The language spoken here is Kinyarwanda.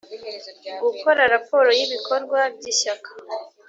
Gukora raporo y ibikorwa by ishyaka